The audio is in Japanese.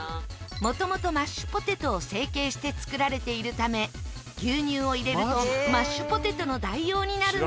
もともとマッシュポテトを成形して作られているため牛乳を入れるとマッシュポテトの代用になるんです。